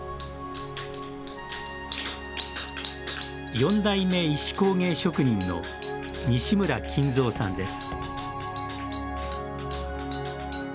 四代目、石工芸職人の西村金造さんです。